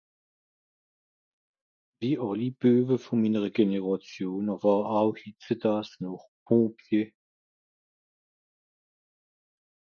wie àlli Bue von minnere généràtion àwer aw hitzedaas noch pompier